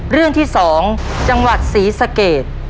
เรื่องที่๒จังหวัดศรีสะเกด